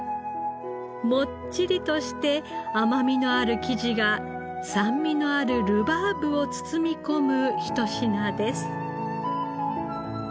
もっちりとして甘みのある生地が酸味のあるルバーブを包み込むひと品です。